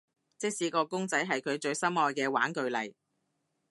即使個公仔係佢最心愛嘅玩具嚟